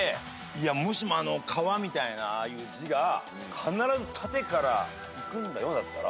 もしもあの「皮」みたいな字が必ず縦からいくんだよだったら。